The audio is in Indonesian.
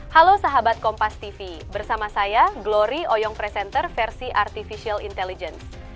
halo sahabat kompas tv bersama saya glory oyong presenter versi artificial intelligence